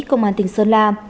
công an tỉnh sơn la